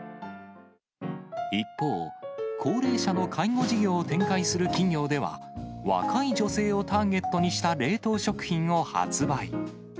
一方、高齢者の介護事業を展開する企業では、若い女性をターゲットにした冷凍食品を発売。